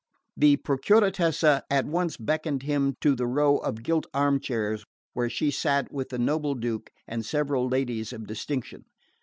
The Procuratessa at once beckoned him to the row of gilt armchairs where she sat with the noble Duke and several ladies of distinction.